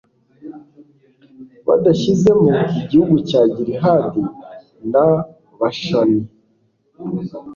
badashyizemo igihugu cya gilihadi na bashani